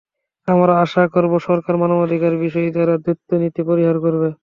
আমরা আশা করব, সরকার মানবাধিকার বিষয়ে তার দ্বৈতনীতি পরিহার করবে।